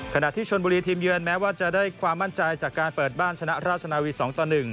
ขณะที่ชนบุรีทีมเยือนแม้ว่าจะได้ความมั่นใจจากการเปิดบ้านชนะราชนาวี๒ต่อ๑